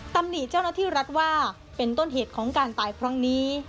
ตำหนิเจ้าหน้าที่รัฐว่าเป็นต้นเหตุของการตายครั้งนี้